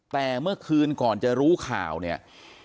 แต่เมื่อคืนก่อนจะรู้ข่าวเนี่ย